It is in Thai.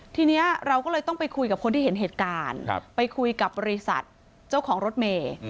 ทีนี้เราก็เลยต้องไปคุยกับคนที่เห็นเหตุการณ์ไปคุยกับบริษัทเจ้าของรถเมย์